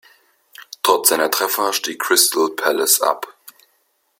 Trotz seiner Treffer stieg Crystal Palace ab.